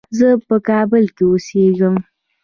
زه په کابل کې اوسېږم.